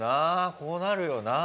こうなるよな。